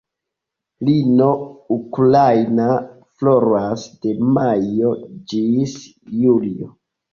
Lino ukraina floras de majo ĝis julio.